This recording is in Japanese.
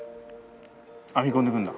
編み込んでいくんだ。